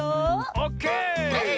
オッケー！